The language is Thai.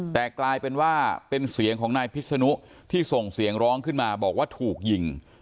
แต่กลายเป็นว่าเป็นเสียงของนายพิษนุที่ส่งเสียงร้องขึ้นมาบอกว่าถูกยิง